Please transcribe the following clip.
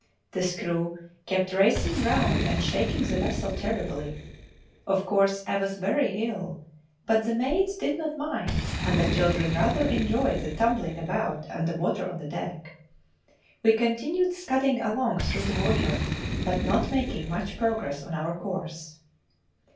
The screw kept racing round and shaking the vessel terribly. Of course I was very ill; but the maids did not mind, and the children rather enjoyed the tumbling about and the water on deck. We continued scudding along through the water, but not making much progress on our course.